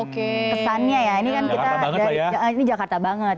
oke kesannya ya ini kan kita ini jakarta banget